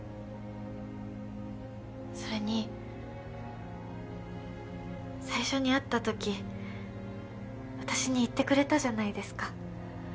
それに最初に会った時私に言ってくれたじゃないですか